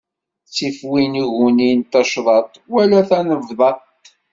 Ttif win iggunin tacḍaḍt, wala tanebḍaḍt.